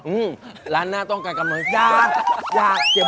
อืมร้านหน้าต้องการกำลัง